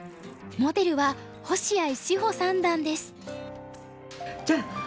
モデルは星合志保三段です。